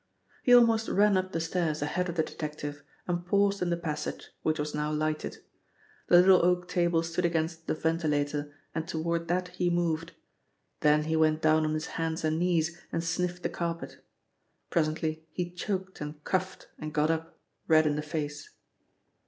He almost ran up the stairs ahead of the detective and paused in the passage, which was now lighted. The little oak table stood against the ventilator and toward that he moved. Then he went down on his hands and knees and sniffed the carpet. Presently he choked and coughed and got up, red in the face.